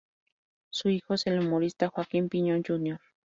Su hijo es el humorista Joaquín Piñón Jr.